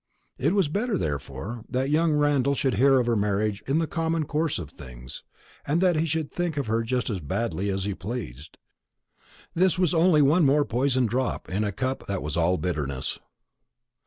It was better, therefore, that young Randall should hear of her marriage in the common course of things, and that he should think of her just as badly as he pleased. This was only one more poisoned drop in a cup that was all bitterness.